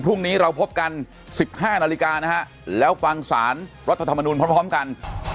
พรุ่งนี้เราพบกัน๑๕นาฬิกานะฮะแล้วฟังสารรัฐธรรมนุนพร้อมกัน